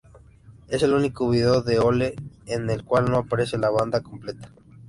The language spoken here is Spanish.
Es el único vídeo de Hole en el cual no aparece la banda completa.